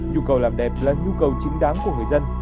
nhu cầu làm đẹp là nhu cầu chính đáng của người dân